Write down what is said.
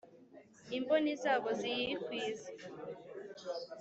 imboni zabo ziyikwize.